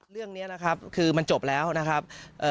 เรื่องนี้นะครับคือมันจบแล้วนะครับ